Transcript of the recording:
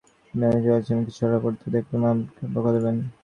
আমি প্রথমে ভেবেছিলাম, আমাকে কিশোর আলো পড়তে দেখলে মামণি বকা দেবেন।